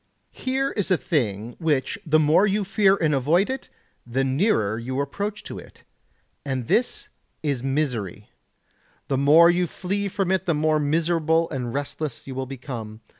Here is a thing which the more you fear and avoid it the nearer you approach to it, and this is misery; the more you flee from it the more miserable and restless you will become.